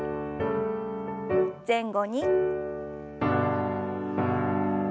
前後に。